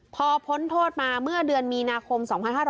พอพ้นโทษมาเมื่อเดือนมีนาคม๒๕๕๙